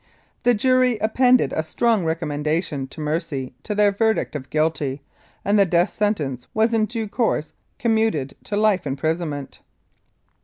The jury appended a "strong recommendation to mercy " to their verdict of guilty, and the death sentence was in due course commuted to life imprisonment.